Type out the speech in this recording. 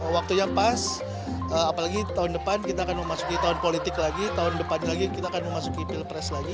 waktunya pas apalagi tahun depan kita akan memasuki tahun politik lagi tahun depan lagi kita akan memasuki pilpres lagi